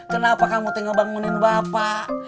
kenapa kamu tinggal bangunin bapak